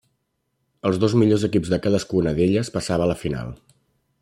Els dos millors equips de cadascuna d'elles passava a la final.